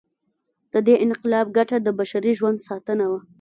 د دې انقلاب ګټه د بشري ژوند ساتنه وه.